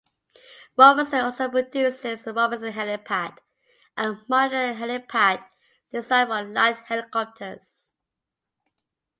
Robinson also produces the Robinson Helipad, a modular helipad designed for light helicopters.